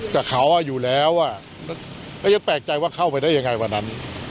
กับเขาอยู่แล้วก็ยังแปลกใจว่าเข้าไปได้ยังไงวันนั้น